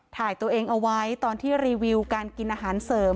ถ่ายตัวเองเอาไว้ตอนที่รีวิวการกินอาหารเสริม